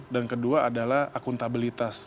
dan kedua adalah akuntabilitas